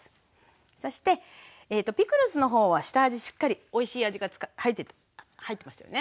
そしてピクルスのほうは下味しっかりおいしい味が入ってましたよね。